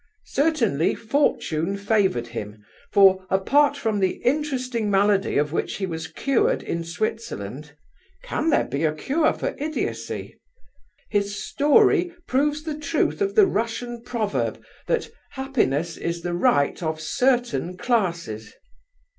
Certainly Fortune favoured him, for, apart from the interesting malady of which he was cured in Switzerland (can there be a cure for idiocy?) his story proves the truth of the Russian proverb that 'happiness is the right of certain classes!